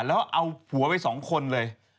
แล้วเอาผัวไป๒คนเลย